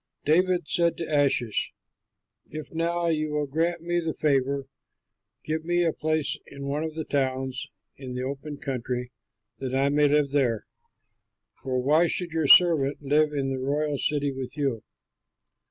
David said to Achish, "If now you will grant me the favor, give me a place in one of the towns in the open country, that I may live there; for why should your servant live in the royal city with you?"